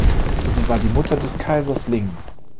Sie war die Mutter des Kaisers Ling.